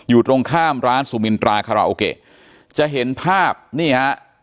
อยู่ตรงข้ามร้านสุมินตราคาราโอเกะจะเห็นภาพนี่ฮะ